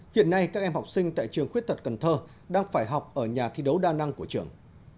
hiện nay các em học sinh tại trường khuyết tật cần thơ đang phải học ở nhà thi đấu đa năng của trường